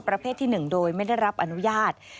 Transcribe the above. ประเภทที่๑โดยไม่ได้รับอนุญาต